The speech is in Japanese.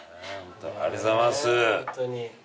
ありがとうございます。